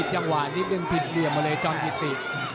หลี่บิดเหลี่ยมเลยจมวิติ